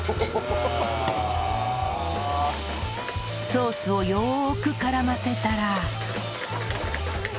ソースをよーく絡ませたら